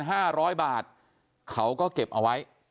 อีก๑๕๐๐บาทเขาก็เก็บเอาไว้